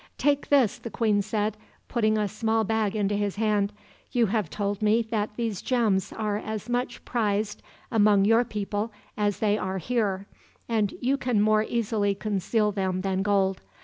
"Take this," the queen said, putting a small bag into his hand. "You have told me that these gems are as much prized among your people as they are here, and you can more easily conceal them than gold.